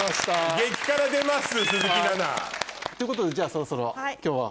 激辛出ます鈴木奈々。ということでじゃそろそろ今日は。